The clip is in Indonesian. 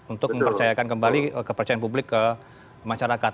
untuk mempercayakan kembali kepercayaan publik ke masyarakat